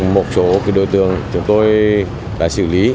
một số đối tượng chúng tôi đã xử lý